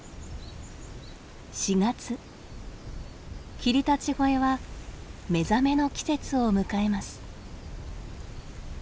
霧立越は目覚めの季節を迎えます。